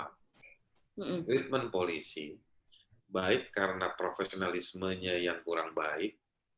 treatment polisi baik karena profesionalismenya yang kurang baik